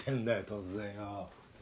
突然よ。